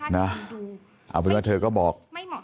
เอาเป็นว่าเธอก็บอก